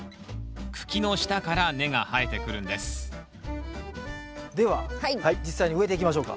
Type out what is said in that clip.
茎の下から根が生えてくるんですでは実際に植えていきましょうか。